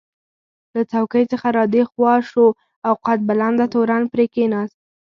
له څوکۍ څخه را دې خوا شو او قد بلنده تورن پرې کېناست.